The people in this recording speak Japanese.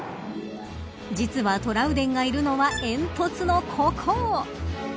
実はトラウデンがいるのは煙突のここ。